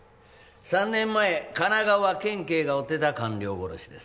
３年前神奈川県警が追ってた官僚殺しです